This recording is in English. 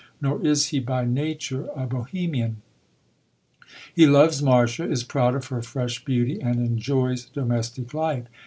Nor is he by nature a Bohemian; he loves Marcia, is proud of her fresh beauty, and enjoys domestic life.